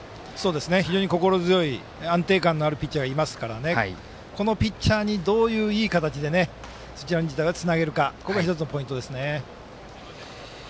非常に心強い安定感のあるピッチャーがいますからこのピッチャーにどういう、いい形で土浦日大はつなげるかがポイントです。